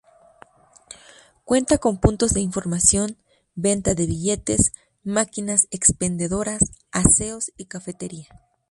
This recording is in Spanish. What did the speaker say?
Cuenta con puntos de información, venta de billetes, máquinas expendedoras, aseos y cafetería.